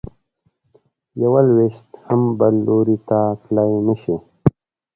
یو لویشت هم بل لوري ته تلی نه شې.